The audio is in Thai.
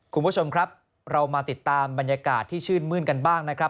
คุณผู้ชมครับเรามาติดตามบรรยากาศที่ชื่นมื้นกันบ้างนะครับ